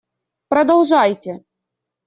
Продолжайте!